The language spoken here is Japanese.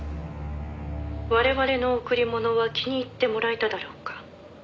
「我々の贈り物は気に入ってもらえただろうか」